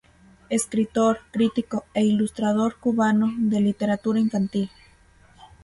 Escritor, crítico e ilustrador cubano de literatura infantil.